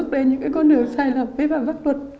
lên người như em nữa